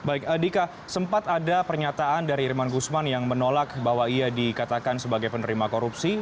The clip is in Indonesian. baik dika sempat ada pernyataan dari irman gusman yang menolak bahwa ia dikatakan sebagai penerima korupsi